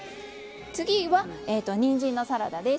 次はにんじんのサラダです。